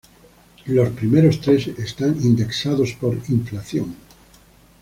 Los primeros tres están indexados por inflación.